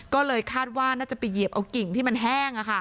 ก็เลยคาดว่าน่าจะไปเหยียบเอากิ่งที่มันแห้ง